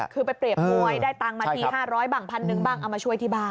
คือไปเปรียบมวยได้ตังค์มาที๕๐๐บ้าง๑๐๐นึงบ้างเอามาช่วยที่บ้าน